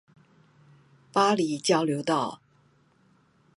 八里交流道